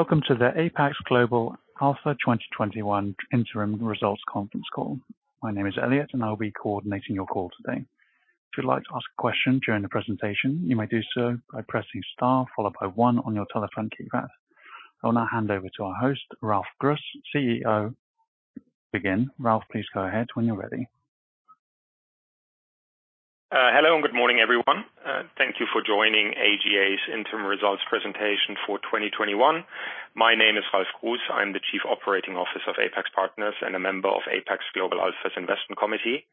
Welcome to the Apax Global Alpha 2021 Interim Results Conference Call. My name is Elliot. I'll be coordinating your call today. If you'd like to ask a question during the presentation, you may do so by pressing star followed by one on your telephone keypad. I will now hand over to our host, Ralf Gruss, COO. Again, Ralf, please go ahead when you're ready. Hello, and good morning, everyone. Thank you for joining AGA's interim results presentation for 2021. My name is Ralf Gruss. I'm the Chief Operating Officer of Apax Partners and a member of Apax Global Alpha's Investment Committee.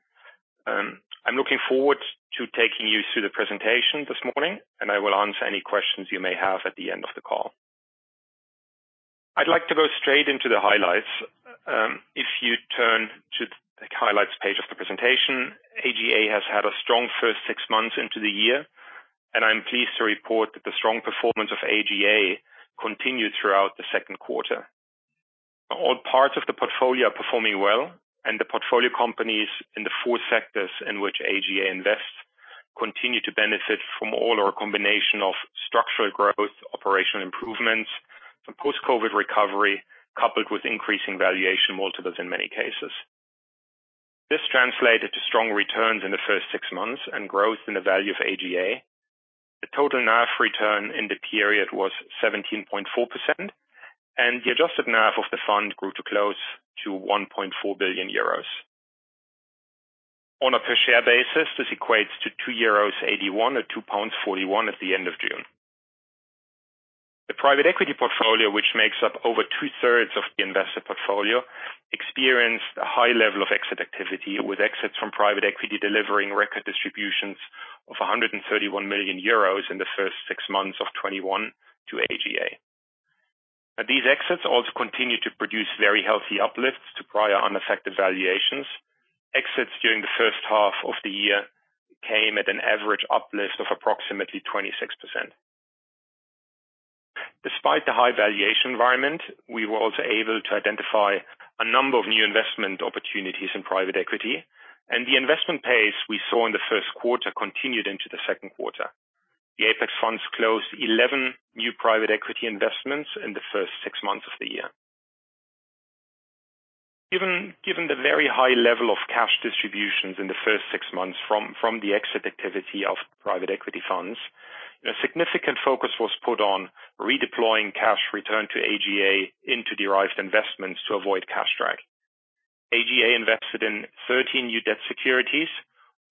I'm looking forward to taking you through the presentation this morning, and I will answer any questions you may have at the end of the call. I'd like to go straight into the highlights. If you turn to the highlights page of the presentation, AGA has had a strong first six months into the year, and I'm pleased to report that the strong performance of AGA continued throughout the second quarter. All parts of the portfolio are performing well, and the portfolio companies in the four sectors in which AGA invests continue to benefit from all our combination of structural growth, operational improvements, and post-COVID recovery, coupled with increasing valuation multiples in many cases. This translated to strong returns in the first six months and growth in the value of AGA. The total NAV return in the period was 17.4%, and the adjusted NAV of the fund grew to close to 1.4 billion euros. On a per share basis, this equates to 2.81 euros or 2.41 pounds at the end of June. The private equity portfolio, which makes up over two-thirds of the invested portfolio, experienced a high level of exit activity, with exits from private equity delivering record distributions of 131 million euros in the first six months of 2021 to AGA. These exits also continue to produce very healthy uplifts to prior unaffected valuations. Exits during the first half of the year came at an average uplift of approximately 26%. Despite the high valuation environment, we were also able to identify a number of new investment opportunities in private equity. The investment pace we saw in the first quarter continued into the second quarter. The Apax funds closed 11 new private equity investments in the first six months of the year. Given the very high level of cash distributions in the first six months from the exit activity of private equity funds, a significant focus was put on redeploying cash returned to AGA into Derived Investments to avoid cash drag. AGA invested in 13 new debt securities,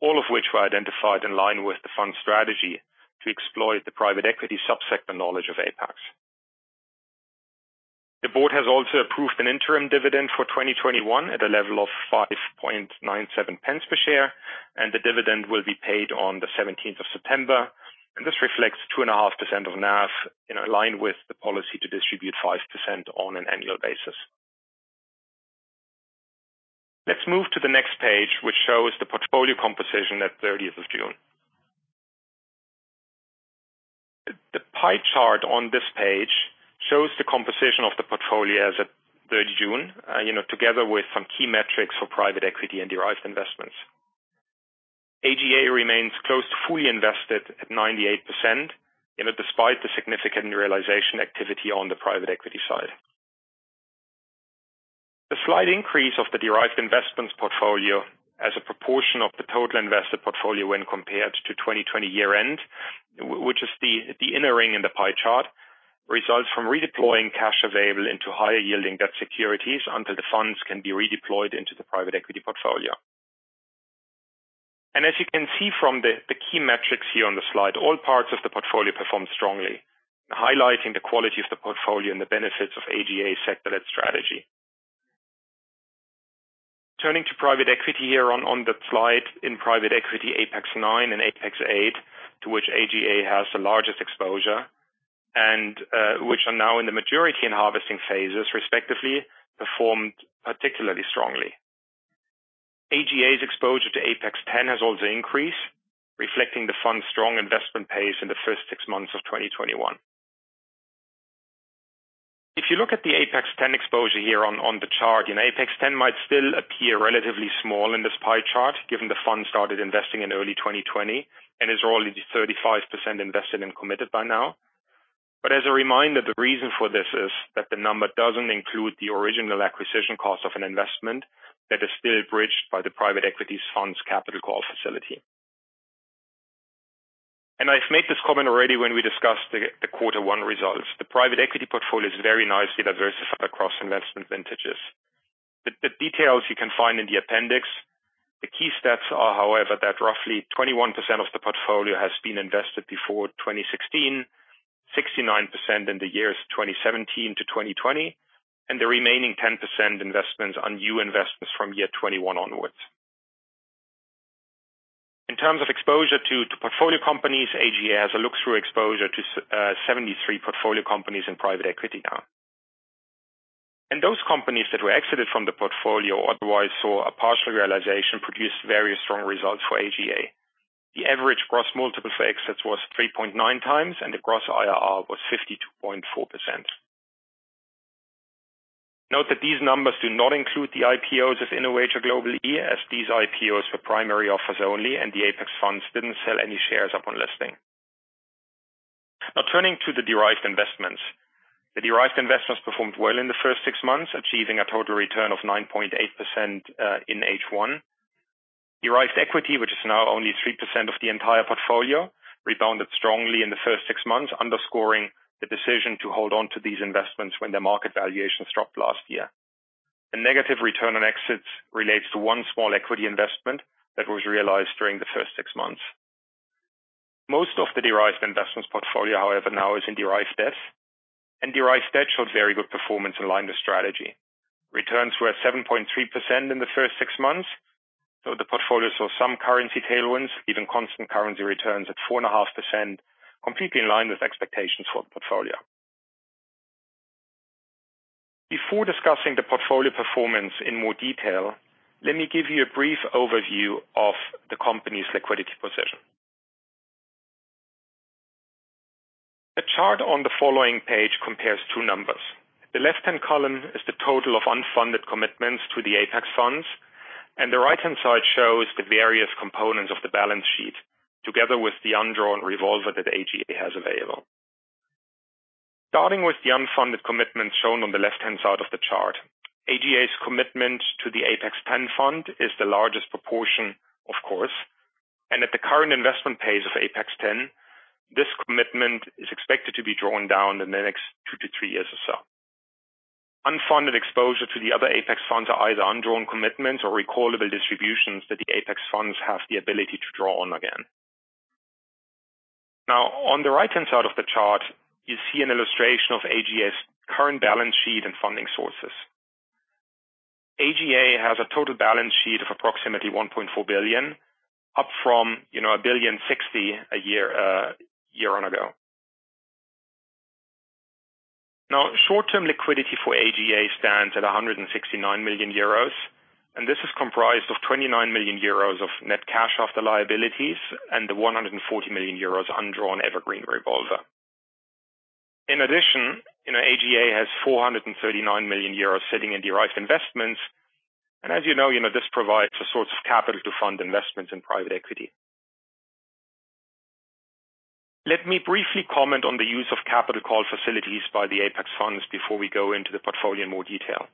all of which were identified in line with the fund's strategy to exploit the private equity sub-sector knowledge of Apax. The board has also approved an interim dividend for 2021 at a level of 5.97 per share. The dividend will be paid on the 17th of September. This reflects 2.5% of NAV in line with the policy to distribute 5% on an annual basis. Let's move to the next page, which shows the portfolio composition at 30th of June. The pie chart on this page shows the composition of the portfolio as at 30 June, together with some key metrics for private equity and Derived Investments. AGA remains close to fully invested at 98%, despite the significant realization activity on the private equity side. The slight increase of the Derived Investments portfolio as a proportion of the total invested portfolio when compared to 2020 year-end, which is the inner ring in the pie chart, results from redeploying cash available into higher-yielding debt securities until the funds can be redeployed into the private equity portfolio. As you can see from the key metrics here on the slide, all parts of the portfolio performed strongly, highlighting the quality of the portfolio and the benefits of AGA's sector-led strategy. Turning to private equity here on the slide, in private equity, Apax IX and Apax VIII, to which AGA has the largest exposure, and which are now in the maturity and harvesting phases respectively, performed particularly strongly. AGA's exposure to Apax X has also increased, reflecting the fund's strong investment pace in the first six months of 2021. If you look at the Apax X exposure here on the chart, Apax X might still appear relatively small in this pie chart, given the fund started investing in early 2020 and is already 35% invested and committed by now. As a reminder, the reason for this is that the number doesn't include the original acquisition cost of an investment that is still bridged by the private equity fund's capital call facility. I've made this comment already when we discussed the Quarter One results. The private equity portfolio is very nicely diversified across investment vintages. The details you can find in the appendix. The key stats are, however, that roughly 21% of the portfolio has been invested before 2016, 69% in the years 2017-2020, and the remaining 10% investments are new investments from year 2021 onwards. In terms of exposure to portfolio companies, AGA has a look-through exposure to 73 portfolio companies in private equity now. Those companies that were exited from the portfolio otherwise saw a partial realization produce very strong results for AGA. The average gross multiple for exits was 3.9 times, and the gross IRR was 52.4%. Note that these numbers do not include the IPOs of InnovAge, Global-e as these IPOs were primary offers only, and the Apax funds didn't sell any shares upon listing. Turning to the Derived Investments. The Derived Investments performed well in the first six months, achieving a total return of 9.8% in H1. Derived Equity, which is now only 3% of the entire portfolio, rebounded strongly in the first six months, underscoring the decision to hold on to these investments when the market valuations dropped last year. The negative return on exits relates to one small equity investment that was realized during the first six months. Most of the Derived Investments portfolio, however, now is in Derived Debt, and Derived Debt showed very good performance in line with strategy. Returns were at 7.3% in the first six months, so the portfolio saw some currency tailwinds, giving constant currency returns at 4.5%, completely in line with expectations for the portfolio. Before discussing the portfolio performance in more detail, let me give you a brief overview of the company's liquidity position. The chart on the following page compares two numbers. The left-hand column is the total of unfunded commitments to the Apax funds, and the right-hand side shows the various components of the balance sheet, together with the undrawn revolver that AGA has available. Starting with the unfunded commitments shown on the left-hand side of the chart, AGA's commitment to the Apax X fund is the largest proportion, of course. At the current investment pace of Apax X, this commitment is expected to be drawn down in the next two to three years or so. Unfunded exposure to the other Apax funds are either undrawn commitments or recallable distributions that the Apax funds have the ability to draw on again. On the right-hand side of the chart, you see an illustration of AGA's current balance sheet and funding sources. AGA has a total balance sheet of approximately 1.4 billion, up from 1.060 billion a year ago. Short-term liquidity for AGA stands at 169 million euros, and this is comprised of 29 million euros of net cash after liabilities and the 140 million euros undrawn evergreen revolver. In addition, AGA has 439 million euros sitting in Derived Investments, and as you know, this provides a source of capital to fund investments in private equity. Let me briefly comment on the use of capital call facilities by the Apax funds before we go into the portfolio in more detail.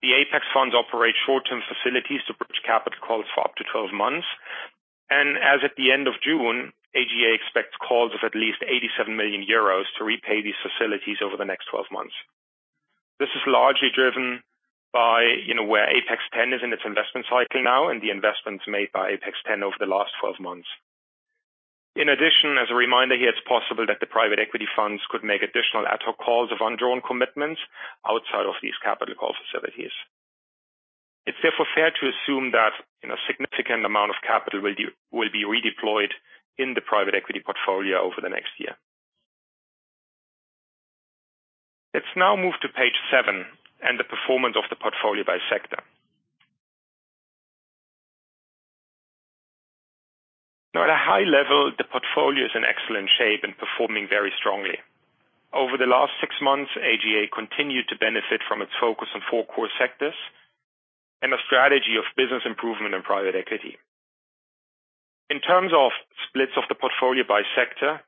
The Apax funds operate short-term facilities to bridge capital calls for up to 12 months, and as at the end of June, AGA expects calls of at least 87 million euros to repay these facilities over the next 12 months. This is largely driven by where Apax X is in its investment cycle now and the investments made by Apax X over the last 12 months. In addition, as a reminder here, it is possible that the private equity funds could make additional ad hoc calls of undrawn commitments outside of these capital call facilities. It's therefore fair to assume that significant amount of capital will be redeployed in the private equity portfolio over the next year. Let's now move to page seven and the performance of the portfolio by sector. Now at a high level, the portfolio is in excellent shape and performing very strongly. Over the last six months, AGA continued to benefit from its focus on four core sectors and a strategy of business improvement in private equity. In terms of splits of the portfolio by sector,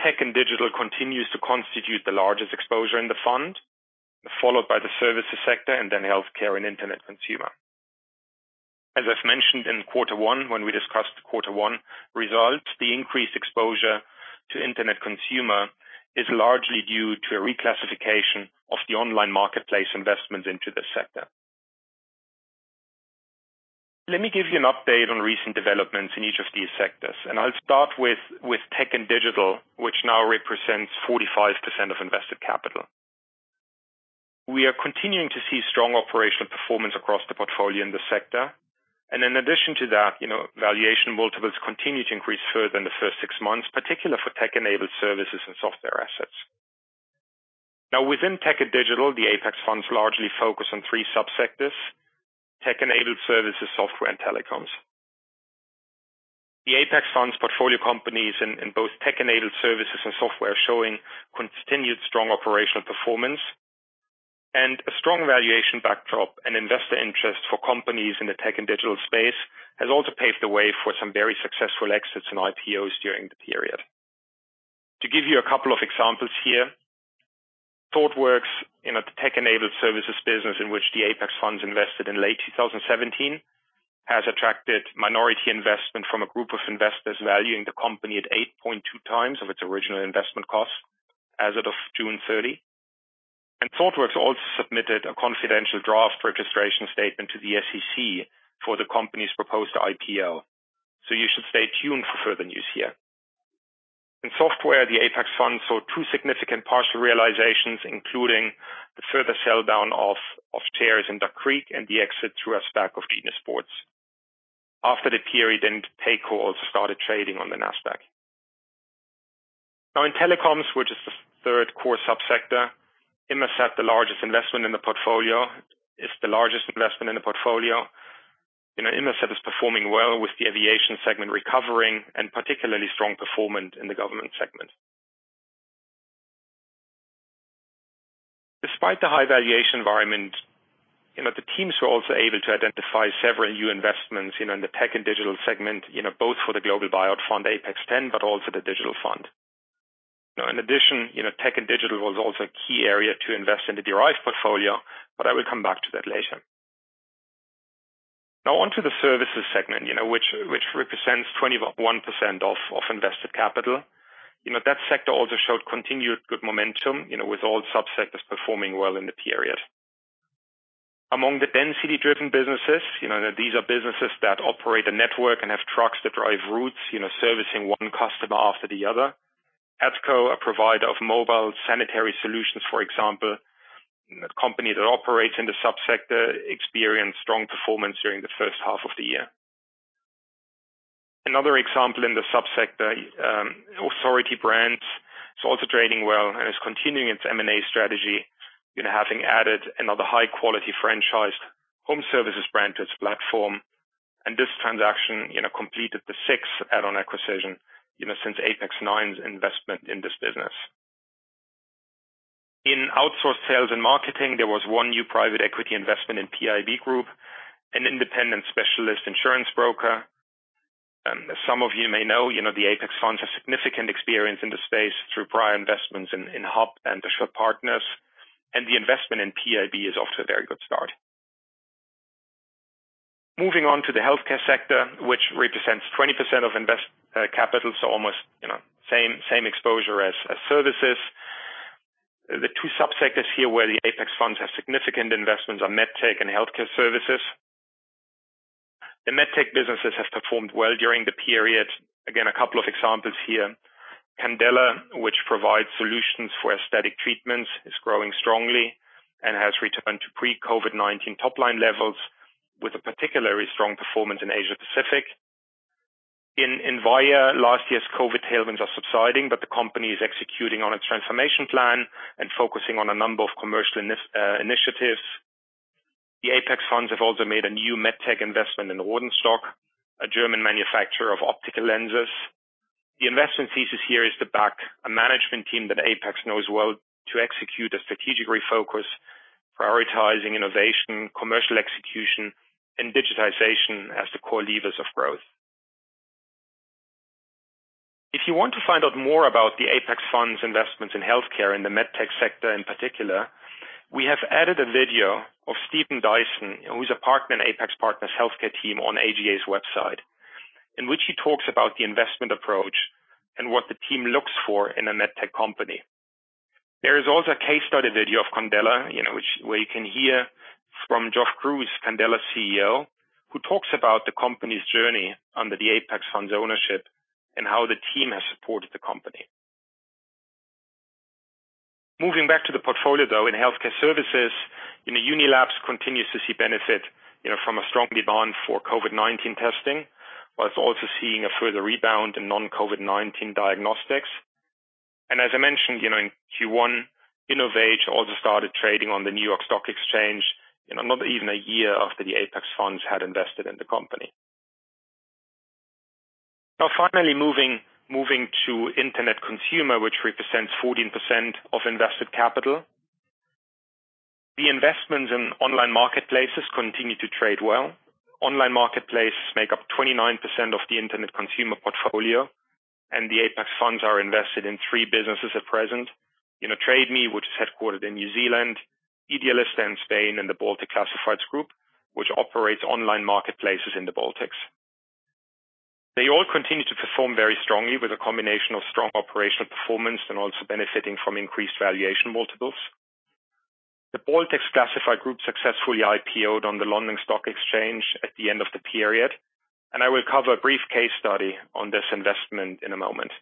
Tech and Digital continues to constitute the largest exposure in the fund, followed by the services sector and then healthcare and Internet Consumer. As I've mentioned in quarter one, when we discussed quarter one results, the increased exposure to Internet Consumer is largely due to a reclassification of the online marketplace investments into this sector. Let me give you an update on recent developments in each of these sectors, and I'll start with tech and digital, which now represents 45% of invested capital. We are continuing to see strong operational performance across the portfolio in this sector. In addition to that, valuation multiples continue to increase further in the first six months, particularly for tech-enabled services and software assets. Now within tech and digital, the Apax funds largely focus on three sub-sectors: tech-enabled services, software, and telecoms. The Apax funds portfolio companies in both tech-enabled services and software are showing continued strong operational performance, and a strong valuation backdrop and investor interest for companies in the tech and digital space has also paved the way for some very successful exits and IPOs during the period. To give you a couple of examples here, Thoughtworks, a tech-enabled services business in which the Apax funds invested in late 2017, has attracted minority investment from a group of investors valuing the company at 8.2 times of its original investment cost as of June 30. Thoughtworks also submitted a confidential draft registration statement to the SEC for the company's proposed IPO. You should stay tuned for further news here. In software, the Apax funds saw two significant partial realizations, including the further sell-down of shares in Duck Creek and the exit through a SPAC of Genius Sports. After the period end, Paycor also started trading on the Nasdaq. In telecoms, which is the third core sub-sector, Inmarsat, the largest investment in the portfolio, is performing well with the aviation segment recovering and particularly strong performance in the government segment. Despite the high valuation environment, the teams were also able to identify several new investments in the tech and digital segment, both for the global buyout fund, Apax X, but also the digital fund. In addition, tech and digital was also a key area to invest in the Derived Investments portfolio, but I will come back to that later. On to the services segment which represents 21% of invested capital. That sector also showed continued good momentum with all sub-sectors performing well in the period. Among the density-driven businesses, these are businesses that operate a network and have trucks that drive routes servicing one customer after the other. ADCO, a provider of mobile sanitary solutions, for example, a company that operates in the sub-sector experienced strong performance during the first half of the year. Another example in the sub-sector, Authority Brands is also trading well and is continuing its M&A strategy, having added another high-quality franchised home services brand to its platform, and this transaction completed the sixth add-on acquisition since Apax IX's investment in this business. In outsourced sales and marketing, there was one new private equity investment in PIB Group, an independent specialist insurance broker. Some of you may know, the Apax funds have significant experience in the space through prior investments in Hub and AssuredPartners, and the investment in PIB is off to a very good start. Moving on to the healthcare sector, which represents 20% of invested capital, so almost same exposure as services. The two sub-sectors here where the Apax funds have significant investments are medtech and healthcare services. The medtech businesses have performed well during the period. Again, a couple of examples here. Candela, which provides solutions for aesthetic treatments, is growing strongly and has returned to pre-COVID-19 top-line levels with a particularly strong performance in Asia Pacific. In Vyaire, last year's COVID tailwinds are subsiding, but the company is executing on its transformation plan and focusing on a number of commercial initiatives. The Apax funds have also made a new medtech investment in Rodenstock, a German manufacturer of optical lenses. The investment thesis here is to back a management team that Apax knows well to execute a strategic refocus, prioritizing innovation, commercial execution and digitization as the core levers of growth. If you want to find out more about the Apax funds investments in healthcare in the medtech sector in particular, we have added a video of Steven Dyson, who's a partner in Apax Partners' healthcare team on AGA's website, in which he talks about the investment approach and what the team looks for in a medtech company. There is also a case study video of Candela, where you can hear from Geoffrey Crouse, Candela's CEO, who talks about the company's journey under the Apax funds' ownership and how the team has supported the company. Moving back to the portfolio, though, in healthcare services, Unilabs continues to see benefit from a strong demand for COVID-19 testing, whilst also seeing a further rebound in non-COVID-19 diagnostics. As I mentioned, in Q1, InnovAge also started trading on the New York Stock Exchange not even a year after the Apax funds had invested in the company. Now finally, moving to internet consumer, which represents 14% of invested capital. The investments in online marketplaces continue to trade well. Online marketplaces make up 29% of the internet consumer portfolio, and the Apax funds are invested in three businesses at present. Trade Me, which is headquartered in New Zealand, Idealista in Spain, and the Baltic Classifieds Group, which operates online marketplaces in the Baltics. They all continue to perform very strongly with a combination of strong operational performance and also benefiting from increased valuation multiples. The Baltic Classifieds Group successfully IPO'd on the London Stock Exchange at the end of the period, I will cover a brief case study on this investment in a moment.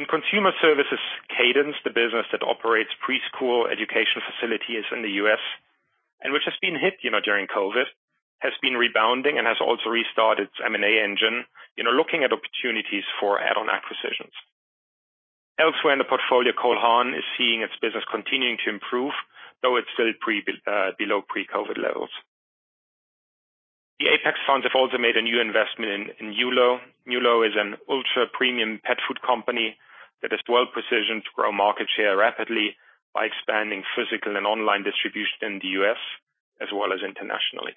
In consumer services, Cadence, the business that operates preschool education facilities in the U.S., and which has been hit during COVID, has been rebounding and has also restarted its M&A engine, looking at opportunities for add-on acquisitions. Elsewhere in the portfolio, Cole Haan is seeing its business continuing to improve, though it's still below pre-COVID levels. The Apax funds have also made a new investment in Nulo. Nulo is an ultra-premium pet food company that has well positioned to grow market share rapidly by expanding physical and online distribution in the U.S. as well as internationally.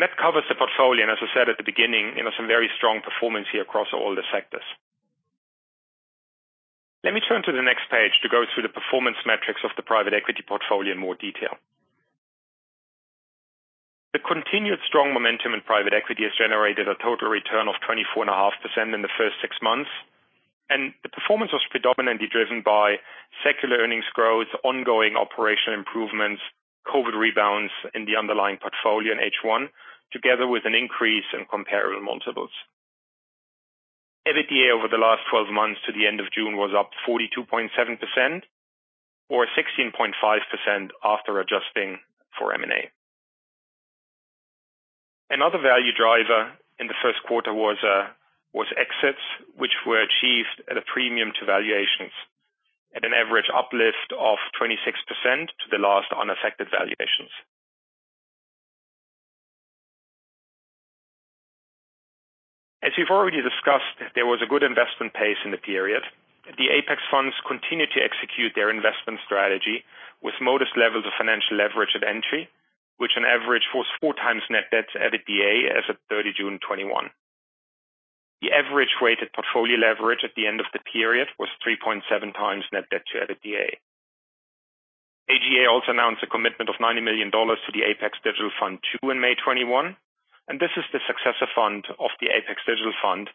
That covers the portfolio, and as I said at the beginning, some very strong performance here across all the sectors. Let me turn to the next page to go through the performance metrics of the private equity portfolio in more detail. The continued strong momentum in private equity has generated a total return of 24.5% in the first six months, and the performance was predominantly driven by secular earnings growth, ongoing operational improvements, COVID rebounds in the underlying portfolio in H1, together with an increase in comparable multiples. EBITDA over the last 12 months to the end of June was up 42.7%, or 16.5% after adjusting for M&A. Another value driver in the first quarter was exits, which were achieved at a premium to valuations at an average uplift of 26% to the last unaffected valuations. As we've already discussed, there was a good investment pace in the period. The Apax funds continued to execute their investment strategy with modest levels of financial leverage at entry, which on average was four times net debt to EBITDA as of 30 June 2021. The average weighted portfolio leverage at the end of the period was 3.7x net debt to EBITDA. AGA also announced a commitment of $90 million to the Apax Digital Fund II in May 2021. This is the successor fund of the Apax Digital Fund,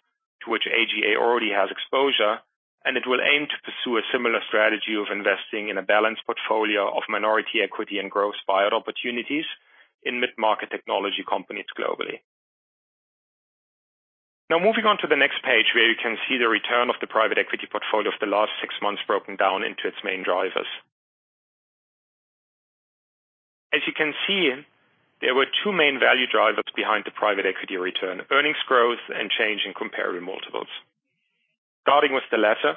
to which AGA already has exposure, and it will aim to pursue a similar strategy of investing in a balanced portfolio of minority equity and growth buyout opportunities in mid-market technology companies globally. Moving on to the next page, where you can see the return of the private equity portfolio for the last six months broken down into its main drivers. As you can see, there were two main value drivers behind the private equity return: earnings growth and change in comparable multiples. Starting with the latter,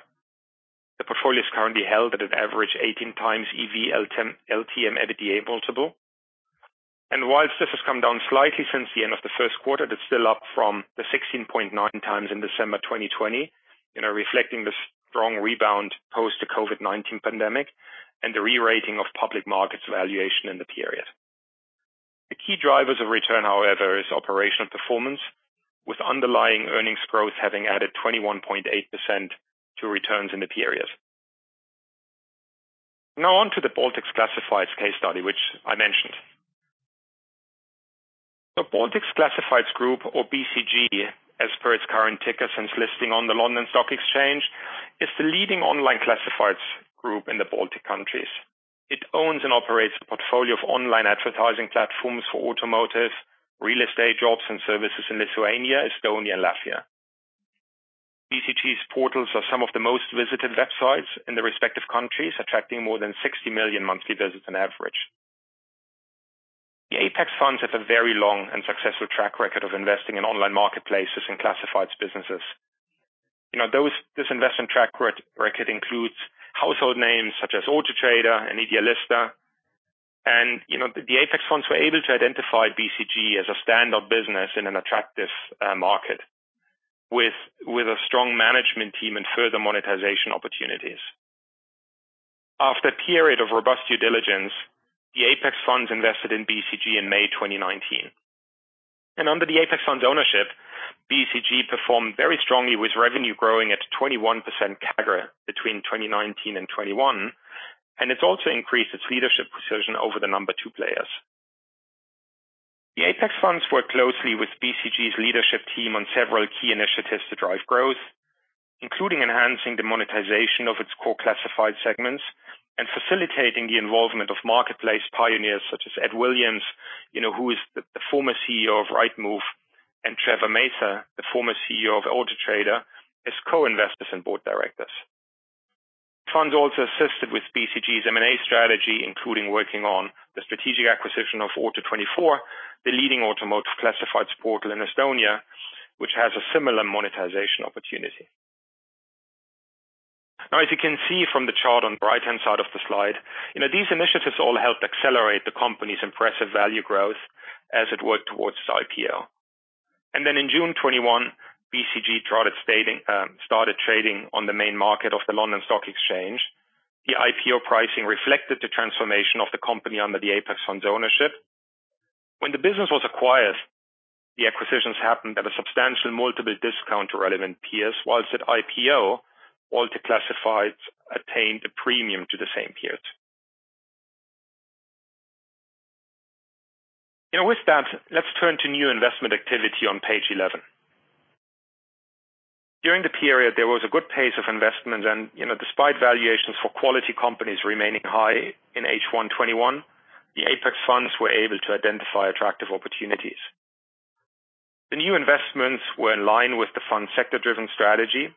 the portfolio is currently held at an average 18x EV/LTM EBITDA multiple, and whilst this has come down slightly since the end of the first quarter, it is still up from the 16.9x in December 2020, reflecting the strong rebound post-COVID-19 pandemic and the re-rating of public markets valuation in the period. The key drivers of return, however, is operational performance, with underlying earnings growth having added 21.8% to returns in the period. On to the Baltic Classifieds case study, which I mentioned. The Baltic Classifieds Group or BCG, as per its current ticker since listing on the London Stock Exchange, is the leading online classifieds group in the Baltic countries. It owns and operates a portfolio of online advertising platforms for automotive, real estate, jobs, and services in Lithuania, Estonia, and Latvia. BCG's portals are some of the most visited websites in the respective countries, attracting more than 60 million monthly visits on average. The Apax funds have a very long and successful track record of investing in online marketplaces and classifieds businesses. This investment track record includes household names such as Autotrader and Idealista. The Apax funds were able to identify BCG as a stand-up business in an attractive market with a strong management team and further monetization opportunities. After a period of robust due diligence, the Apax funds invested in BCG in May 2019. Under the Apax funds' ownership, BCG performed very strongly with revenue growing at 21% CAGR between 2019 and 2021, and it's also increased its leadership position over the number two players. The Apax funds work closely with BCG's leadership team on several key initiatives to drive growth, including enhancing the monetization of its core classified segments and facilitating the involvement of marketplace pioneers such as Ed Williams, who is the former CEO of Rightmove, and Trevor Mather, the former CEO of Autotrader, as co-investors and board directors. Funds also assisted with BCG's M&A strategy, including working on the strategic acquisition of Auto24, the leading automotive classifieds portal in Estonia, which has a similar monetization opportunity. As you can see from the chart on the right-hand side of the slide, these initiatives all helped accelerate the company's impressive value growth as it worked towards its IPO. In June 2021, BCG started trading on the main market of the London Stock Exchange. The IPO pricing reflected the transformation of the company under the Apax funds' ownership. When the business was acquired, the acquisitions happened at a substantial multiple discount to relevant peers, whilst at IPO, Baltic Classifieds attained a premium to the same peers. With that, let's turn to new investment activity on page 11. During the period, there was a good pace of investment and despite valuations for quality companies remaining high in H1 2021, the Apax funds were able to identify attractive opportunities. The new investments were in line with the fund sector-driven strategy,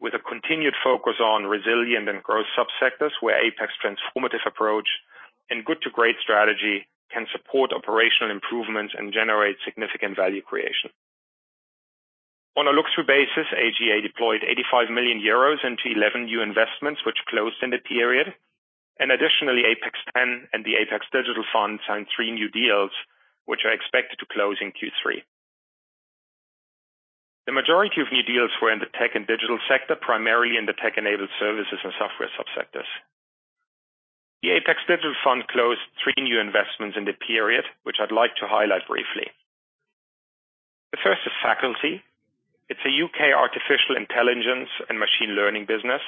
with a continued focus on resilient and growth sub-sectors where Apax transformative approach and good to great strategy can support operational improvements and generate significant value creation. On a look-through basis, AGA deployed 85 million euros into 11 new investments, which closed in the period, and additionally, Apax X and the Apax Digital Fund signed three new deals, which are expected to close in Q3. The majority of new deals were in the tech and digital sector, primarily in the tech-enabled services and software sub-sectors. The Apax Digital Fund closed three new investments in the period, which I'd like to highlight briefly. The first is Faculty. It's a U.K. artificial intelligence and machine learning business,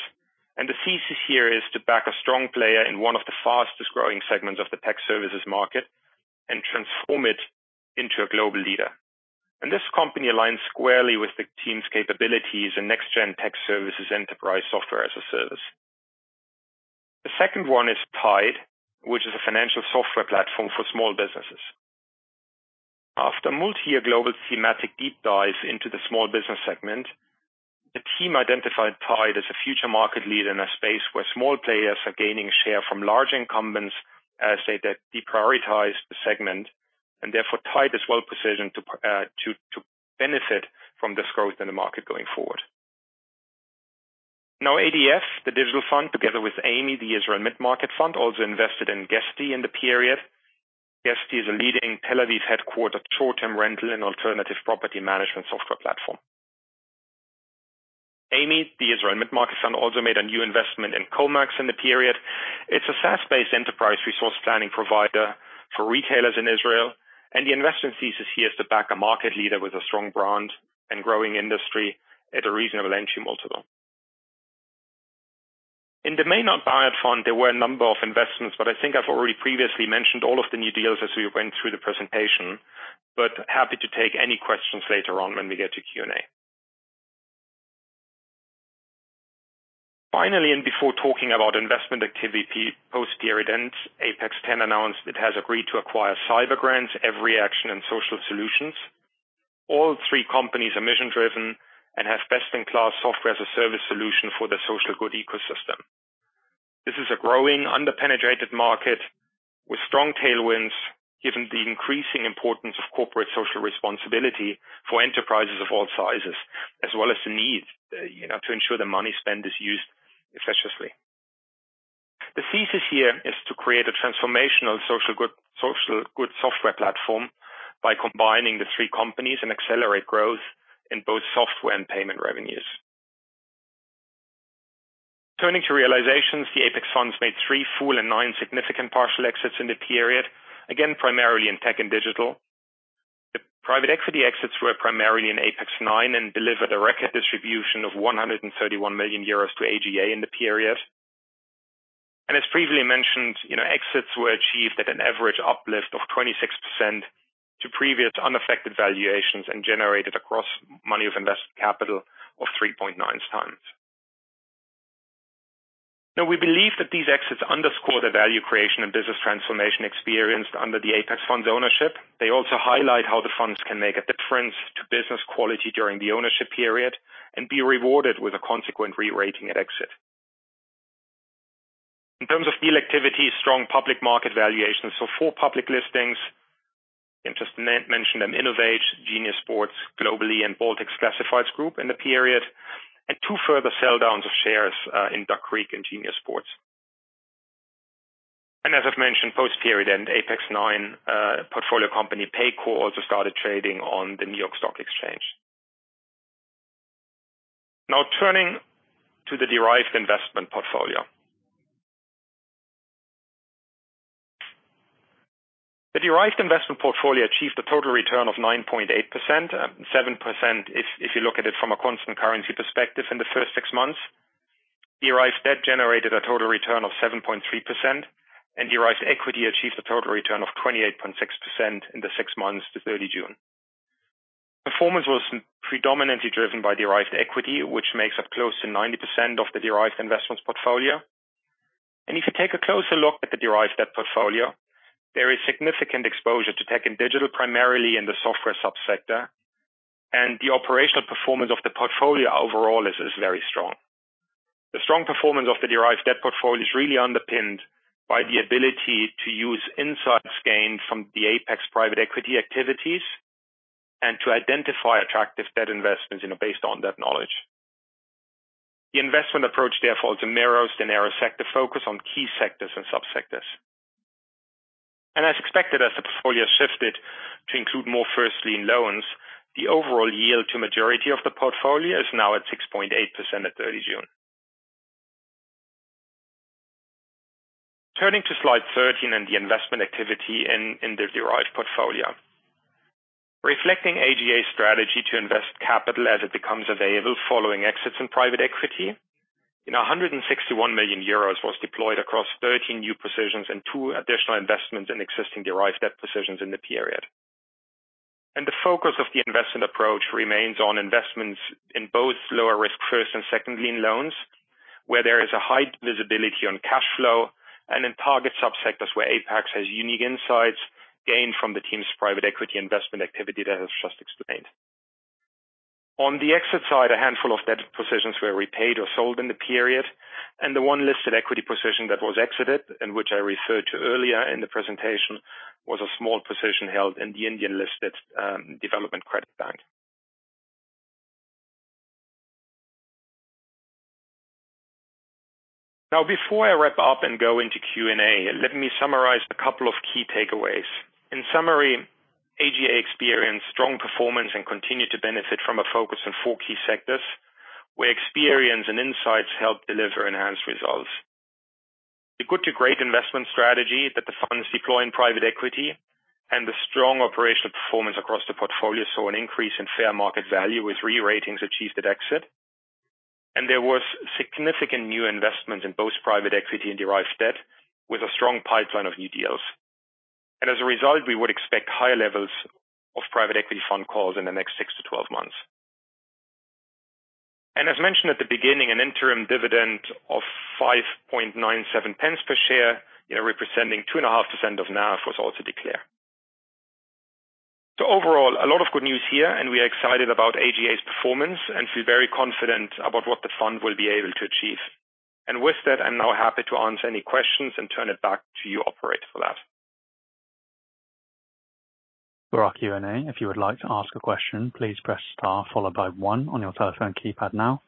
and the thesis here is to back a strong player in one of the fastest-growing segments of the tech services market and transform it into a global leader. This company aligns squarely with the team's capabilities in next-gen tech services enterprise software as a service. The second one is Tide, which is a financial software platform for small businesses. After a multi-year global thematic deep dive into the small business segment, team identified Tide as a future market leader in a space where small players are gaining share from large incumbents, say that deprioritize the segment and therefore Tide is well-positioned to benefit from this growth in the market going forward. Now ADF, the Digital Fund, together with AMI, the Israel Mid-Market Fund, also invested in Guesty in the period. Guesty is a leading Tel-Aviv headquartered short-term rental and alternative property management software platform. AMI, the Israel Mid-Market Fund, also made a new investment in Comax in the period. It is a SaaS-based enterprise resource planning provider for retailers in Israel. The investment thesis here is to back a market leader with a strong brand and growing industry at a reasonable entry multiple. In the major buyout fund, there were a number of investments, but I think I've already previously mentioned all of the new deals as we went through the presentation, but happy to take any questions later on when we get to Q&A. Finally, and before talking about investment activity post-year-end, Apax X announced it has agreed to acquire CyberGrants, EveryAction, and Social Solutions. All three companies are mission-driven and have best-in-class software-as-a-service solution for the social good ecosystem. This is a growing under-penetrated market with strong tailwinds, given the increasing importance of corporate social responsibility for enterprises of all sizes, as well as the need to ensure the money spent is used effectively. The thesis here is to create a transformational social good software platform by combining the three companies and accelerate growth in both software and payment revenues. Turning to realizations, the Apax funds made three full and nine significant partial exits in the period, again, primarily in tech and digital. The private equity exits were primarily in Apax IX and delivered a record distribution of 131 million euros to AGA in the period. As previously mentioned, exits were achieved at an average uplift of 26% to previous unaffected valuations and generated across money of invested capital of 3.9 times. We believe that these exits underscore the value creation and business transformation experienced under the Apax funds ownership. They also highlight how the funds can make a difference to business quality during the ownership period and be rewarded with a consequent re-rating at exit. In terms of deal activity, strong public market valuations. Four public listings, I'll just mention them, InnovAge, Genius Sports, Global-e, and Baltic Classifieds Group in the period, and two further sell downs of shares in Duck Creek and Genius Sports. As I've mentioned, post-period end, Apax IX portfolio company Paycor also started trading on the New York Stock Exchange. Turning to the Derived Investments portfolio. The Derived Investments portfolio achieved a total return of 9.8%, 7% if you look at it from a constant currency perspective in the first six months. Derived Debt generated a total return of 7.3%, and Derived Equity achieved a total return of 28.6% in the six months to 30 June. Performance was predominantly driven by Derived Equity, which makes up close to 90% of the Derived Investments portfolio. If you take a closer look at the Derived Debt portfolio, there is significant exposure to tech and digital, primarily in the software sub-sector, and the operational performance of the portfolio overall is very strong. The strong performance of the Derived Debt portfolio is really underpinned by the ability to use insights gained from the Apax private equity activities and to identify attractive debt investments based on that knowledge. The investment approach, therefore, is a narrow sector focus on key sectors and sub-sectors. As expected, as the portfolio shifted to include more first lien loans, the overall yield to majority of the portfolio is now at 6.8% at 30 June. Turning to slide 13 and the investment activity in the Derived portfolio. Reflecting AGA's strategy to invest capital as it becomes available following exits in private equity, 161 million euros was deployed across 13 new positions and two additional investments in existing Derived Debt positions in the period. The focus of the investment approach remains on investments in both lower risk first and second lien loans, where there is a high visibility on cash flow, and in target sub-sectors where Apax has unique insights gained from the team's private equity investment activity that I just explained. On the exit side, a handful of debt positions were repaid or sold in the period, and the one listed equity position that was exited, and which I referred to earlier in the presentation, was a small position held in the Indian-listed Development Credit Bank. Now, before I wrap up and go into Q&A, let me summarize a couple of key takeaways. In summary, AGA experienced strong performance and continued to benefit from a focus on four key sectors, where experience and insights help deliver enhanced results. The good to great investment strategy that the funds deploy in private equity and the strong operational performance across the portfolio saw an increase in fair market value with re-ratings achieved at exit. There was significant new investment in both private equity and Derived Debt with a strong pipeline of new deals. As a result, we would expect higher levels of private equity fund calls in the next 6-12 months. As mentioned at the beginning, an interim dividend of 0.0597 per share, representing 2.5% of NAV was also declared. Overall, a lot of good news here, and we are excited about AGA's performance and feel very confident about what the fund will be able to achieve. With that, I’m now happy to answer any questions and turn it back to you operator for that. For our Q&A, if you would like to ask a question, please press star followed by one on your telephone keypad now.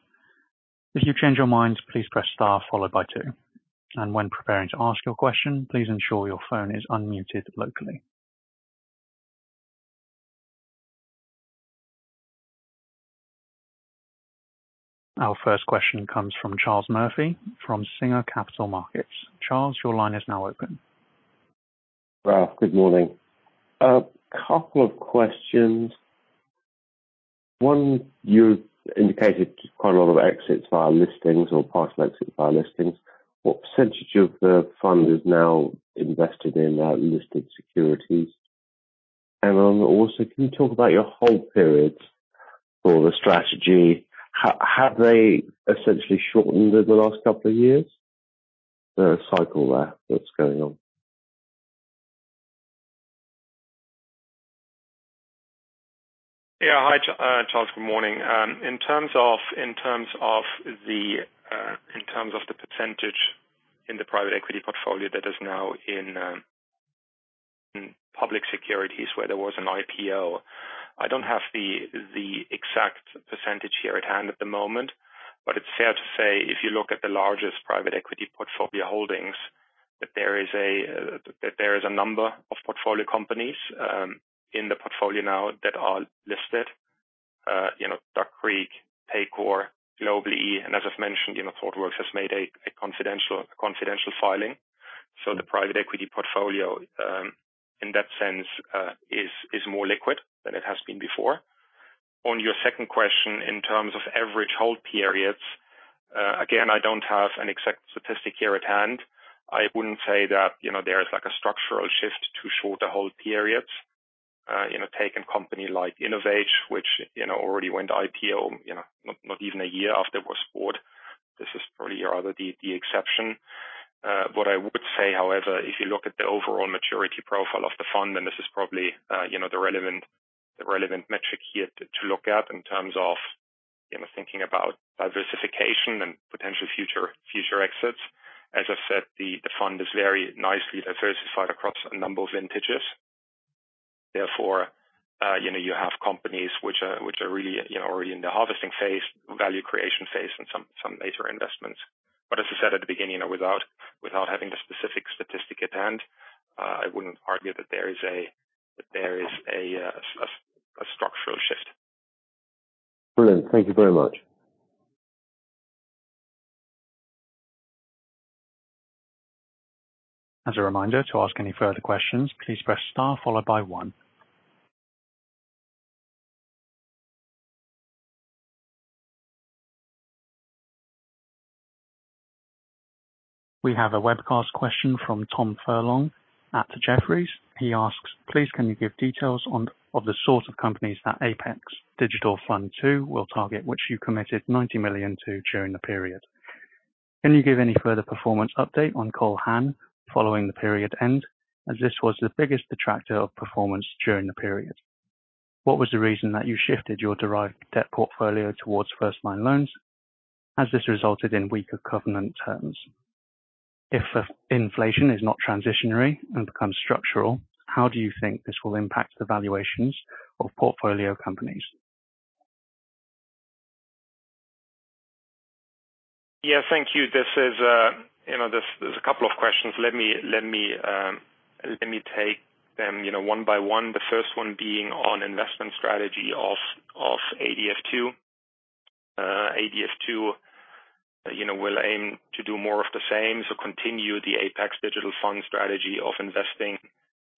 If you change your mind, please press star followed by two. When preparing to ask your question, please ensure your phone is unmuted locally. Our first question comes from Charles Murphy from Singer Capital Markets. Charles, your line is now open. Ralf, good morning. A couple of questions. One, you indicated quite a lot of exits via listings or partial exits via listings. What % of the fund is now invested in listed securities? Can you talk about your hold periods for the strategy? Have they essentially shortened over the last couple of years, the cycle there that's going on? Yeah. Hi, Charles. Good morning. In terms of the percentage in the private equity portfolio that is now in public securities where there was an IPO, I don't have the exact percentage here at hand at the moment, but it's fair to say if you look at the largest private equity portfolio holdings, that there is a number of portfolio companies in the portfolio now that are listed. Duck Creek, Paycor, Global-e, and as I've mentioned, Thoughtworks has made a confidential filing. The private equity portfolio, in that sense, is more liquid than it has been before. On your second question, in terms of average hold periods, again, I don't have an exact statistic here at hand. I wouldn't say that there is a structural shift to shorter hold periods. Take a company like InnovAge, which already went IPO not even a year after it was bought. This is probably rather the exception. I would say, however, if you look at the overall maturity profile of the fund, this is probably the relevant metric here to look at in terms of thinking about diversification and potential future exits. As I've said, the fund is very nicely diversified across a number of vintages. You have companies which are really already in the harvesting phase, value creation phase, and some later investments. As I said at the beginning, without having the specific statistic at hand, I wouldn't argue that there is a structural shift. Brilliant. Thank you very much. As a reminder, to ask any further questions, please press star followed by one. We have a webcast question from Tom Furlong at Jefferies. He asks, "Please can you give details of the sort of companies that Apax Digital Fund II will target, which you committed $90 million to during the period? Can you give any further performance update on Cole Haan following the period end, as this was the biggest detractor of performance during the period? What was the reason that you shifted your Derived Debt portfolio towards first lien loans, has this resulted in weaker covenant terms? If inflation is not transitionary and becomes structural, how do you think this will impact the valuations of portfolio companies? Yeah. Thank you. There's a couple of questions. Let me take them one by one, the first one being on investment strategy of ADF2. ADF2 will aim to do more of the same, continue the Apax Digital Fund strategy of investing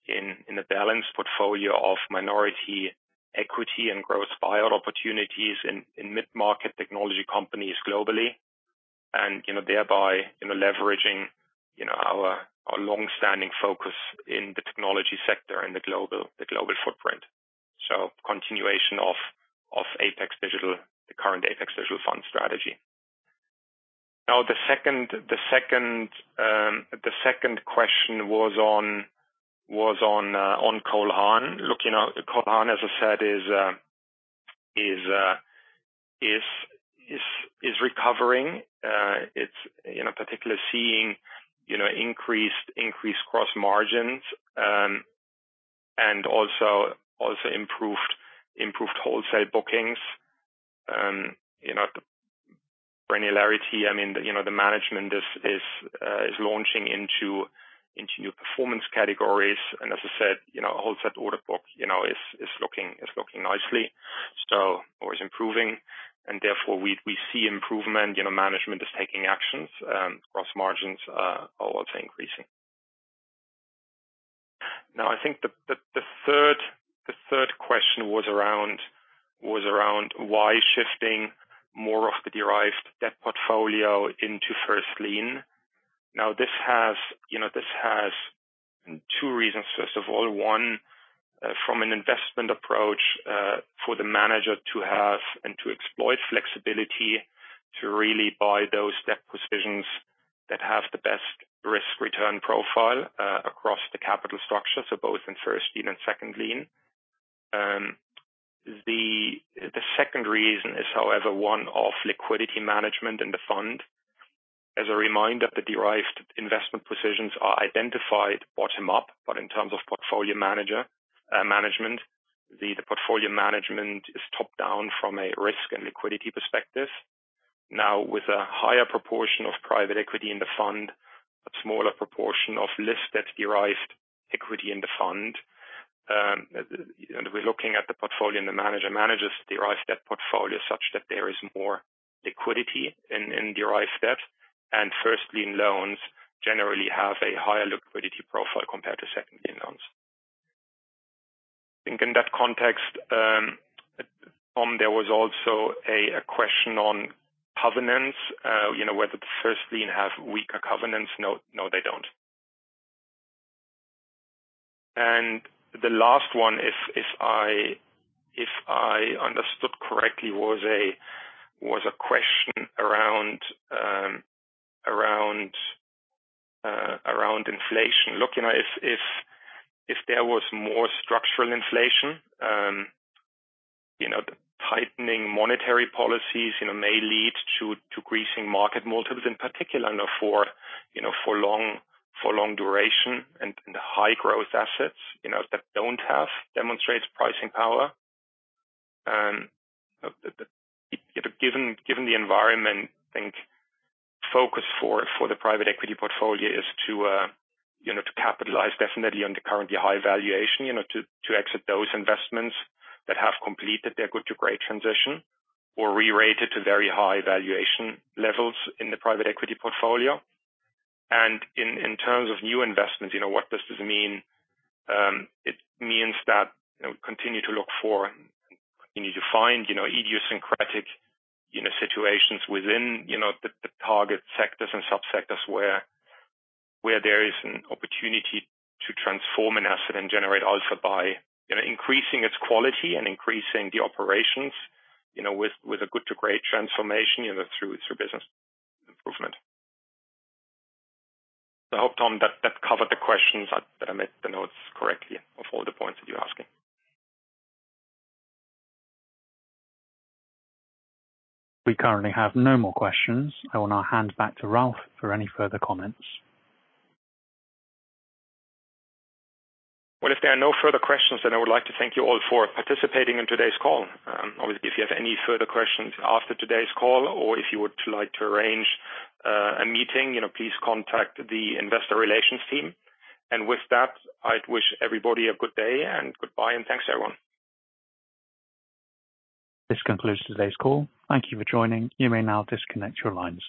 in a balanced portfolio of minority equity and growth buyout opportunities in mid-market technology companies globally, and thereby leveraging our long-standing focus in the technology sector and the global footprint. Continuation of the current Apax Digital Fund strategy. The second question was on Cole Haan. Cole Haan, as I said, is recovering. It's particularly seeing increased gross margins, and also improved wholesale bookings granularity. The management is launching into new performance categories. As I said, the wholesale order book is looking nicely. Always improving, and therefore we see improvement. Management is taking actions. Gross margins are also increasing. I think the third question was around why shifting more of the Derived Debt portfolio into First Lien. This has two reasons. First of all, one, from an investment approach, for the manager to have and to exploit flexibility to really buy those debt positions that have the best risk-return profile across the capital structure, so both in First Lien and Second Lien. The second reason is, however, one of liquidity management in the fund. As a reminder, the Derived Investment positions are identified bottom-up, but in terms of portfolio management, the portfolio management is top-down from a risk and liquidity perspective. With a higher proportion of private equity in the fund, a smaller proportion of listed Derived Equity in the fund, and we're looking at the portfolio, and the manager manages Derived Debt portfolio such that there is more liquidity in Derived Debt. First lien loans generally have a higher liquidity profile compared to second lien loans. I think in that context, Tom, there was also a question on covenants, whether the first lien have weaker covenants. No, they don't. The last one, if I understood correctly, was a question around inflation. Look, if there was more structural inflation, the tightening monetary policies may lead to decreasing market multiples, in particular, for long duration and high growth assets that don't have demonstrated pricing power. Given the environment, I think focus for the private equity portfolio is to capitalize definitely on the currently high valuation to exit those investments that have completed their good to great transition or re-rate it to very high valuation levels in the private equity portfolio. In terms of new investments, what does this mean? It means that we continue to look for, continue to find idiosyncratic situations within the target sectors and sub-sectors where there is an opportunity to transform an asset and generate alpha by increasing its quality and increasing the operations with a good to great transformation through business improvement. I hope, Tom, that covered the questions, that I made the notes correctly of all the points that you're asking. We currently have no more questions. I will now hand back to Ralf for any further comments. Well, if there are no further questions, I would like to thank you all for participating in today's call. Obviously, if you have any further questions after today's call or if you would like to arrange a meeting, please contact the investor relations team. With that, I'd wish everybody a good day and goodbye and thanks, everyone. This concludes today's call. Thank you for joining. You may now disconnect your lines.